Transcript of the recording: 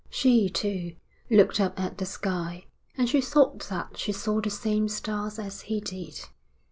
She, too, looked up at the sky, and she thought that she saw the same stars as he did.